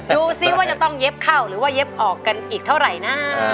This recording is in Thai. ดูสิว่าจะต้องเย็บเข้าหรือว่าเย็บออกกันอีกเท่าไหร่นะ